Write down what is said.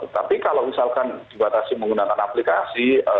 tapi kalau misalkan dibatasi menggunakan aplikasi